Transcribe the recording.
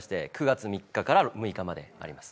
９月３日から６日まであります。